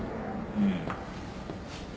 うん。